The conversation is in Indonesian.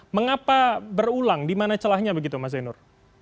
mengapa berulang di mana celahnya begitu mas zainur